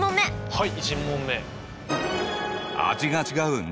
はい。